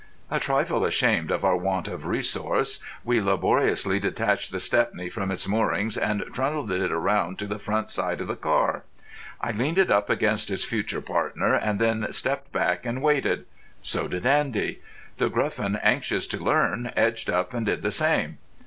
A trifle ashamed of our want of resource, we laboriously detached the Stepney from its moorings and trundled it round to the proper side of the car. I leaned it up against its future partner and then stepped back and waited. So did Andy. The Gruffin, anxious to learn, edged up and did the same.